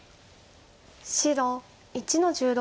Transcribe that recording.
白１の十六。